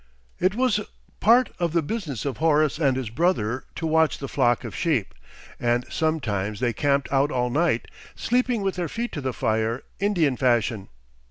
It was part of the business of Horace and his brother to watch the flock of sheep, and sometimes they camped out all night, sleeping with their feet to the fire, Indian fashion.